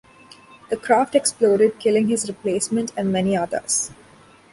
The craft exploded, killing his replacement and many others.